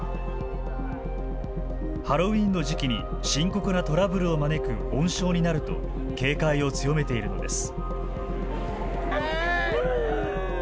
ハロウィーンの時期に深刻なトラブルを招く温床になると警戒を強めているのです。